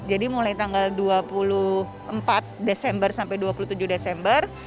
mulai tanggal dua puluh empat desember sampai dua puluh tujuh desember